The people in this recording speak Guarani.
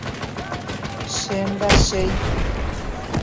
Che ndachéi.